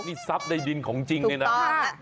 มีทรัพย์ใดดินของจริงเลยนะครับใช่ถูกตอบ